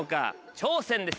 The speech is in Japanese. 挑戦です！